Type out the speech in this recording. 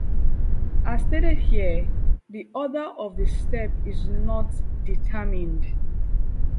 As stated here, the order of the steps is not determined.